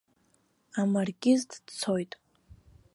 Амаркиз дцоит.